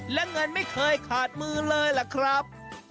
และเงินไม่เคยขาดมือเลยล่ะครับ